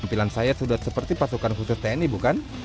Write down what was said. tampilan saya sudah seperti pasukan khusus tni bukan